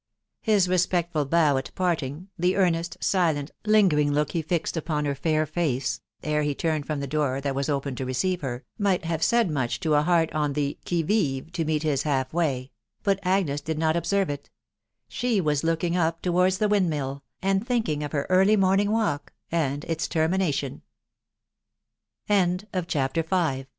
" His respectful bow at parting, the earnest, silent, lingering look he fixed upon her fair face ere he turned from the door that was opened to receive her, might have said much to a heart on the qui vive to meet his half way ; but Agnes did not observe it; she was looking up towards the windmill^ and thinking of her early morning walk, and \Xa \jotkh«5m» £18 THE WIDOW BARNAB